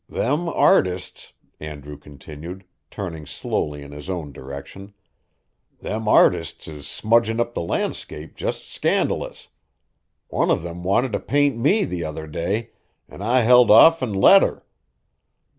"Them artists," Andrew continued, turning slowly in his own direction, "them artists is smudgin' up the landscape jest scandalous. One of them wanted t' paint me, the other day, an' I held off an' let her.